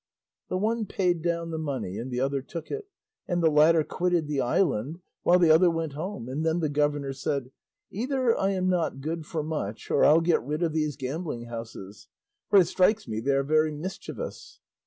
The one paid down the money and the other took it, and the latter quitted the island, while the other went home; and then the governor said, "Either I am not good for much, or I'll get rid of these gambling houses, for it strikes me they are very mischievous."